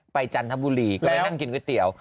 จันทบุรีก็เลยนั่งกินก๋วยเตี๋ยว